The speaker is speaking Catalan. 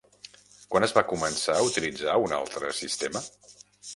Quan es va començar a utilitzar un altre sistema?